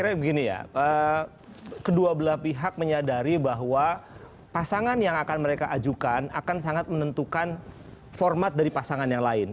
karena begini ya kedua belah pihak menyadari bahwa pasangan yang akan mereka ajukan akan sangat menentukan format dari pasangan yang lain